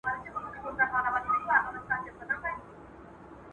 که ښځې په اقتصاد کي برخه واخلي نو ملي تولید به زیات سي.